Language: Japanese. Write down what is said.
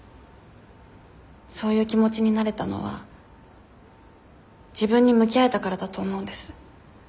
そういう気持ちになれたのは自分に向き合えたからだと思うんです。